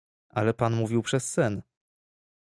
"„Ale pan mówił przez sen."